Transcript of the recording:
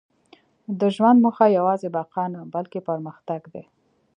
• د ژوند موخه یوازې بقا نه، بلکې پرمختګ دی.